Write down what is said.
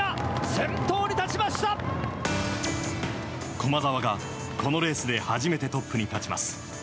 駒澤が、このレースで初めてトップに立ちます。